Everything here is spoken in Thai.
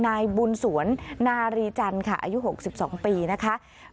นายบุญสวนนารีจันทร์ค่ะอายุ๖๒ปีนะคะ